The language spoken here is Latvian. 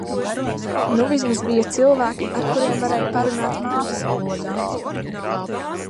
Nu vismaz bija cilvēki ar kuriem varēja parunāt mātes valodā.